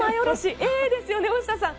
えーですよね、大下さん。